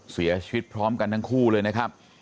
เสียชีวิตพร้อมกันทั้งคู่เลยนะครับ